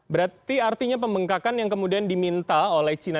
berarti artinya pembengkakan yang kemudian diminta oleh china